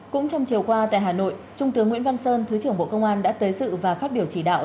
cũng trong chiều qua tại hà nội trung tướng nguyễn văn sơn thứ trưởng bộ công an đã tới sự và phát biểu chỉ đạo